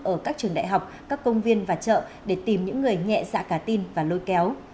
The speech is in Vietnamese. ở các trường đại học các công viên và chợ để tìm những người nhẹ dạ cả tin và lôi kéo